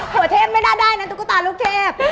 ผัวเทพไม่ได้นั้นตูกูตารุกเทพ